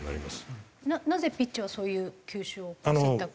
なぜピッチャーはそういう球種を選択する？